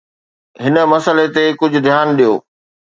هن مسئلي تي ڪجهه ڌيان ڏيو.